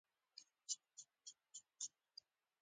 د حاصلاتو زېرمه باید له دوړو، مږو او رطوبت خلاصه وي.